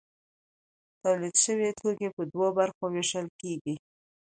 تولید شوي توکي په دوو برخو ویشل کیږي.